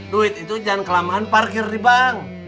duit itu jangan kelamaan parkir di bank